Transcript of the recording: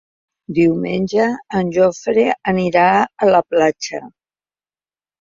Diumenge en Jofre anirà a la platja.